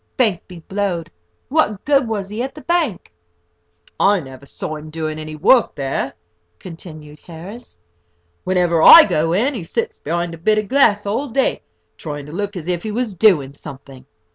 Bank be blowed! What good was he at the bank? "I never see him doing any work there," continued Harris, "whenever I go in. He sits behind a bit of glass all day, trying to look as if he was doing something.